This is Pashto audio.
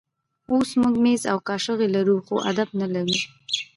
اوس موږ مېز او کاچوغې لرو خو آداب نه لرو.